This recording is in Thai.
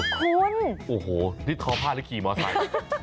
คุณโอ้โหดิกทอผ้าหรือขี่มอเตียล